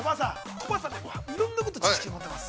コバさん、いろんなこと知識を持っています。